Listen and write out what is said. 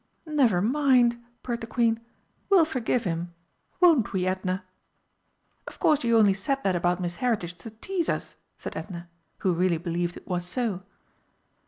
"Never mind!" purred the Queen, "we'll forgive him won't we, Edna?" "Of course you only said that about Miss Heritage to tease us?" said Edna, who really believed it was so.